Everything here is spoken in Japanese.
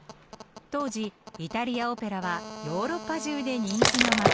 当時イタリアオペラはヨーロッパ中で人気の的。